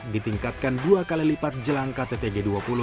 ditingkatkan dua kali lipat jelang ktt g dua puluh